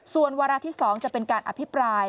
ส่วนวาระที่๒จะเป็นการอภิปราย